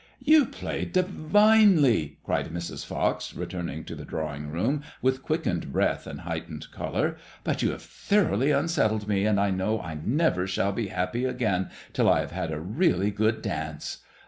" You play divinely," cried Mrs. Fox, returning to the draw ing room with quickened breath and heightened colour; •'but you have thoroughly unsettled me, and I know I never shall be % MADEMOISELLE IXB. 75 happy again till I have had a really good dance.